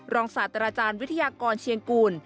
ศาสตราจารย์วิทยากรเชียงกูล